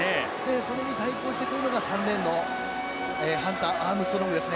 それに対抗してくるのが３レーンのアームストロングです。